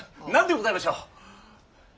何でございましょう。